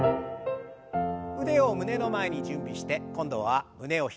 腕を胸の前に準備して今度は胸を開く運動です。